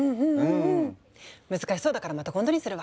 難しそうだからまた今度にするわ。